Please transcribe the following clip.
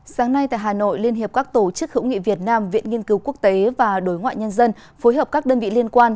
sáng nay tại hà nội liên hiệp các tổ chức hữu nghị việt nam viện nghiên cứu quốc tế và đối ngoại nhân dân phối hợp các đơn vị liên quan